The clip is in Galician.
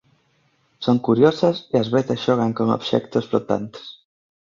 Son curiosas e ás veces xogan con obxectos flotantes.